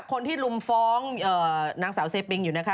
คนที่ลุมฟ้องนางสาวเซปิงอยู่นะคะ